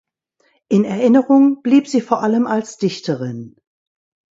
In Erinnerung blieb sie vor allem als Dichterin.